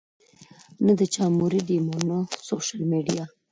نۀ د چا مريد يم او نۀ سوشل ميډيا